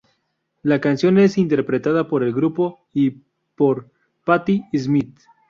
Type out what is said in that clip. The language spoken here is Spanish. La canción es interpretada por el grupo y por Patti Smith.